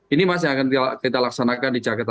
ini mas yang akan kita laksanakan di jakarta